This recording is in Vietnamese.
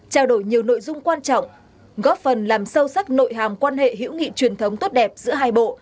trao đổi nhiều nội dung quan trọng góp phần làm sâu sắc nội hàm quan hệ hữu nghị truyền thống tốt đẹp giữa hai bộ